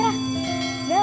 gue nungguin aja deh